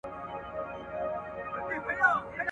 زه به سبا د کتابتون پاکوالی کوم!